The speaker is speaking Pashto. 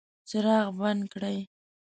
څراغ بند کړئ